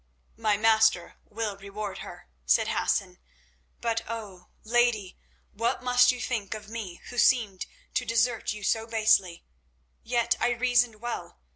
"My master will reward her," said Hassan. "But oh! lady, what must you think of me who seemed to desert you so basely? Yet I reasoned well.